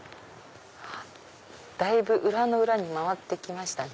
だいぶ裏の裏に回って来ました。